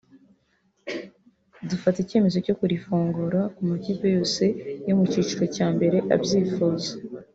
dufata icyemezo cyo kurifungura ku makipe yose yo mu cyiciro cya mbere abyifuza”